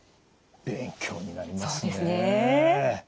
勉強になりますね。